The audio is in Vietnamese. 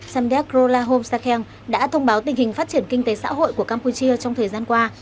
samdeck rolahom sakeng đã thông báo tình hình phát triển kinh tế xã hội của campuchia trong thời gian qua